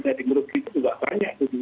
dari grup itu juga banyak